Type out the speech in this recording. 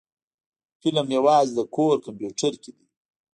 فلم يوازې د کور کمپيوټر کې دی.